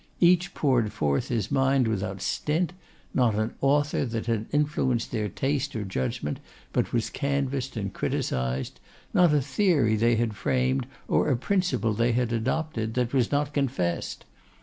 Each poured forth his mind without stint. Not an author that had influenced their taste or judgment but was canvassed and criticised; not a theory they had framed or a principle they had adopted that was not confessed.